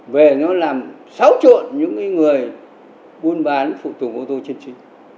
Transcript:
về nó làm xấu trộn những người buôn bán phụ tùng ô tô chính trị